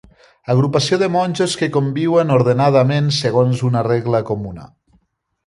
Agrupació de monjos que conviuen ordenadament, segons una regla comuna.